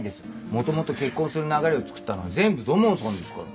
元々結婚する流れをつくったのは全部土門さんですから。